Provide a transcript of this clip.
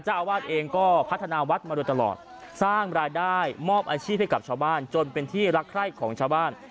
เจ้าอาวาสเองก็พัฒนาวัดมาโดยตลอดสร้างรายได้มอบอาชีพให้กับชาวบ้านจนเป็นที่รักใคร่ของชาวบ้าน